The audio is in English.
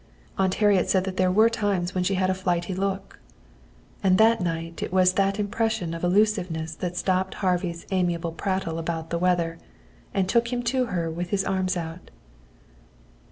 Aunt Harriet said that there were times when she had a "flighty" look. And that night it was that impression of elusiveness that stopped Harvey's amiable prattle about the weather and took him to her with his arms out.